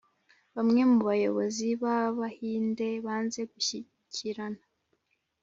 bamwe mu bayobozi b'abahinde banze gushyikirana.